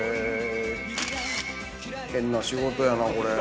変な仕事やなこれ。